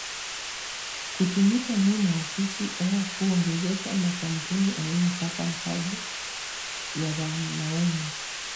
Ku tumika mu ma ofisi ao ku ongoza ma kampuni aina paka kaji ya banaume